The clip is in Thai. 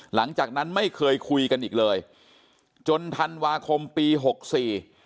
หลังจากนั้นไม่เคยคุยกันอีกเลยจนธันวาคมปีหกสี่